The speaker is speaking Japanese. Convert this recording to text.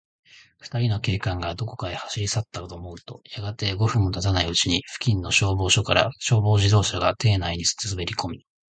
ふたりの警官が、どこかへ走りさったかと思うと、やがて、五分もたたないうちに、付近の消防署から、消防自動車が邸内にすべりこみ、